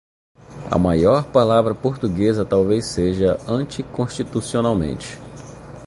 A maior palavra portuguesa talvez seja "anticonstitucionalmente".